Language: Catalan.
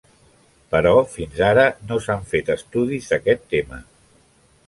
Però fins ara no s'han fet estudis d'aquest tema.